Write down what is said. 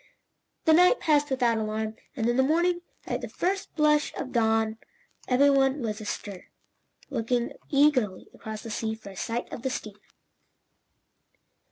The night passed without alarm, and in the morning, at the first blush of dawn, every one was astir, looking eagerly across the sea for a sight of the steamer.